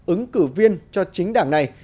ứng cử viên cho chính đảng này